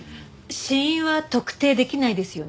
死因は特定できないですよね？